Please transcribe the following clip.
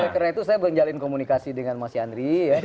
karena itu saya benjalin komunikasi dengan mas yandri